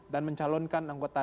dan mencalonkan anggota legisim